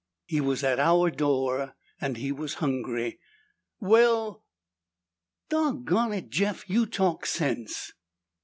"He was at our door and he was hungry." "Well Doggonit, Jeff! You talk sense!"